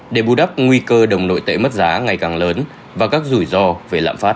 để bù đắp nguy cơ đồng nội tệ mất giá ngày càng lớn và các rủi ro về lạm phát